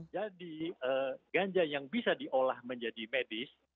jadi ganja yang bisa diolah menjadi medis